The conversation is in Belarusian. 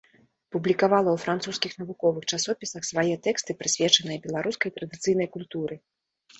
Публікавала ў французскіх навуковых часопісах свае тэксты, прысвечаныя беларускай традыцыйнай культуры.